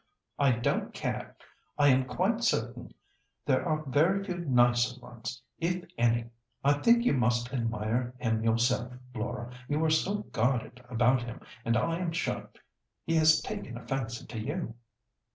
"I don't care. I am quite certain there are very few nicer ones, if any. I think you must admire him yourself, Laura; you are so guarded about him, and I am sure he has taken a fancy to you."